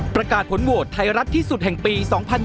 ประกาศผลโหวตไทยรัฐที่สุดแห่งปี๒๐๒๐